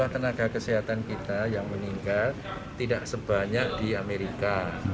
tenaga kesehatan kita yang meninggal tidak sebanyak di amerika